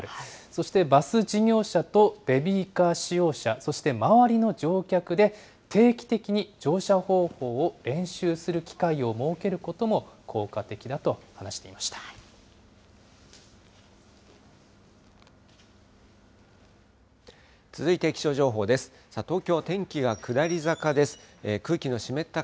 そしてバス事業者とベビーカー使用者、そして周りの乗客で、定期的に乗車方法を練習する機会を設けることも効果的だと話していました。